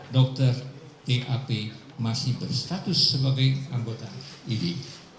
dokter tap masih berstatus sebagai anggota idi